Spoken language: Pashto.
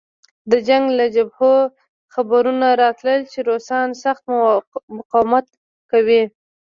د جنګ له جبهو خبرونه راتلل چې روسان سخت مقاومت کوي